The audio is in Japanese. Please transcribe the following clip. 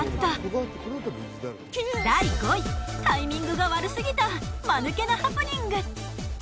第５位タイミングが悪すぎたまぬけなハプニング。